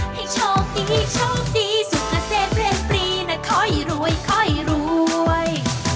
ให้โชคดีโชคดีสุขมาเสดเบบรีน่ะคอยรวยคอยรวย